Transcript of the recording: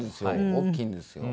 大きいんですよ。